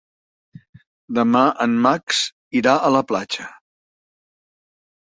Demà en Max irà a la platja.